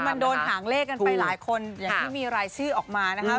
มันโดนหางเลขกันไปหลายคนอย่างที่มีรายชื่อออกมานะครับ